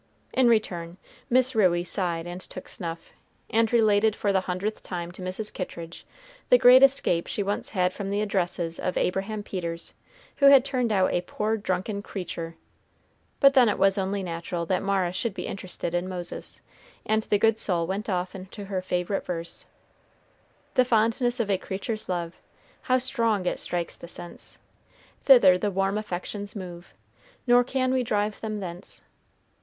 In return, Miss Ruey sighed and took snuff, and related for the hundredth time to Mrs. Kittridge the great escape she once had from the addresses of Abraham Peters, who had turned out a "poor drunken creetur." But then it was only natural that Mara should be interested in Moses; and the good soul went off into her favorite verse: "The fondness of a creature's love, How strong it strikes the sense! Thither the warm affections move, Nor can we drive them thence."